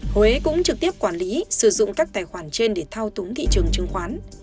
huế cũng trực tiếp quản lý sử dụng các tài khoản trên để thao túng thị trường chứng khoán